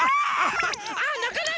ああなかないで。